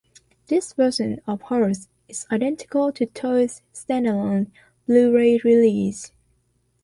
This version of Horus is identical to Toei's standalone Blu-ray release.